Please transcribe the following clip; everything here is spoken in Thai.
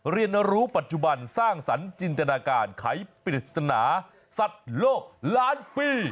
เรียนรู้ปัจจุบันสร้างสรรค์จินตนาการไขปริศนาสัตว์โลกล้านปี